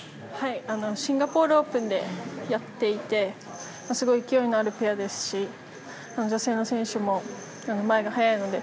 シンガポールオープンでやっていてすごい勢いのあるペアですし女性の選手も、前が速いので。